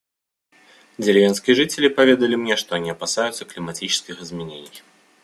Деревенские жители поведали мне, что они опасаются климатических изменений.